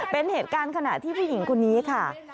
เป็นเหตุการณ์ขณะที่ผู้หญิงคนนี้ค่ะ